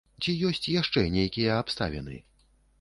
Ці ёсць яшчэ нейкія абставіны?